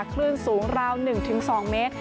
คลื่นสูงราวหนึ่งถึงสองเมตร